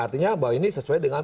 artinya bahwa ini sesuai dengan